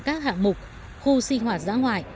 các hạng mục khu si hoạt giã ngoại